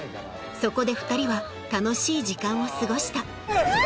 そこで２人は楽しい時間を過ごしたキャ！